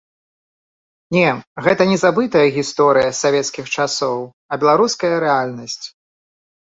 Не, гэта не забытая гісторыя з савецкіх часоў, а беларуская рэальнасць.